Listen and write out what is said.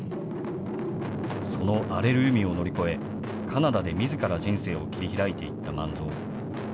その荒れる海を乗り越え、カナダでみずから人生を切り開いていった萬蔵。